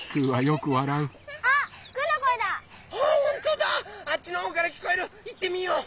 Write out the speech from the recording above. よしいってみよう！